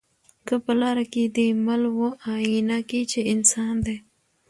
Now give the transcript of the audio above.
که په لاره کی دي مل وو آیینه کي چي انسان دی